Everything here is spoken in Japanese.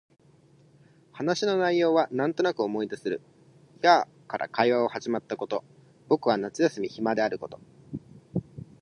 話の内容はなんとなく思い出せる。やあ、から会話が始まったこと、僕は夏休み暇であること、